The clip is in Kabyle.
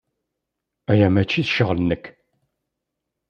Aya maci d ccɣel-nnek.